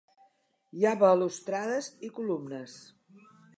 Hi ha balustrades i columnes.